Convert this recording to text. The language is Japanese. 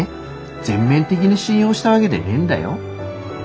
全面的に信用したわげでねえんだよ？